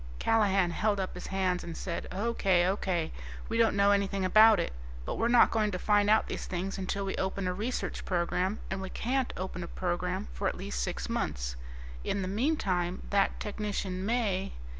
Callahan held up his hands and said, "O.K., O.K., we don't know anything about it. But we're not going to find out these things until we open a research program, and we can't open a program for at least six months. In the meantime that technician may